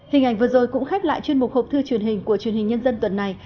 hình ảnh vừa rồi cũng khép lại chuyên mục hộp thư truyền hình của truyền hình nhân dân tuần này